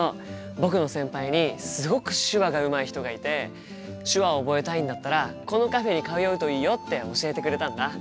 僕の先輩にすごく手話がうまい人がいて手話を覚えたいんだったらこのカフェに通うといいよって教えてくれたんだ。